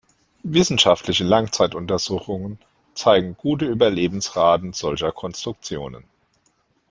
Wissenschaftliche Langzeituntersuchungen zeigen gute Überlebensraten solcher Konstruktionen.